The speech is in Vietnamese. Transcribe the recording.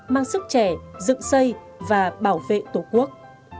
mang sức trẻ dựng xây và bảo vệ tổ quốc